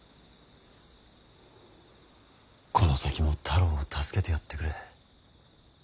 この先も太郎を助けてやってくれ。